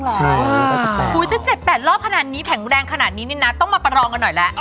โอ้โหถ้า๗๘รอบขนาดนี้แข็งแรงขนาดนี้นี่นะต้องมาประรองกันหน่อยแล้ว